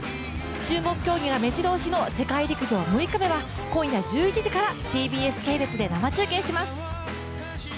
注目競技がめじろ押しの世界陸上６日目は今夜１１時からＴＢＳ系列で生中継します。